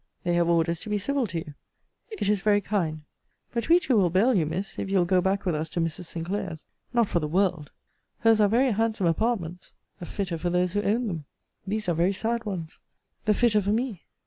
They have orders to be civil to you. It is very kind. But we two will bail you, Miss, if you will go back with us to Mrs. Sinclair's. Not for the world! Her's are very handsome apartments. The fitter for those who own them! These are very sad ones. The fitter for me!